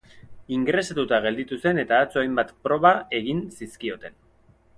Ingresatuta gelditu zen eta atzo hainbat proga egin zizkioten.